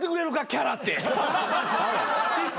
キャラって。